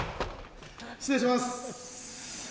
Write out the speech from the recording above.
失礼します！